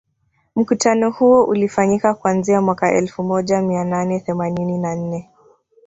Mkutano huo ulifanyika kuanzia mwaka elfu moja mia nane themanini na nne